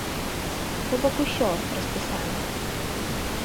То бок усё распісана.